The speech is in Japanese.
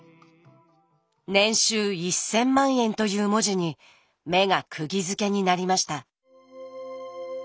年収１，０００万円という文字に目がくぎづけになりました。